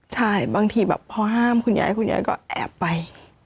ใช่บางทีแบบพอห้ามคุณยายคุณยายก็แอบไป